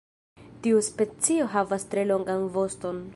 Tiu specio havas tre longan voston.